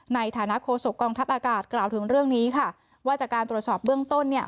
ในฐานะโคศกองทัพอากาศกล่าวถึงเรื่องนี้ค่ะว่าจากการตรวจสอบเบื้องต้นเนี่ย